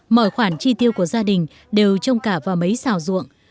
mọi khoản chi tiêu của gia đình đều trông cả vào mấy xào ruộng